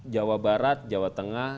jawa barat jawa tengah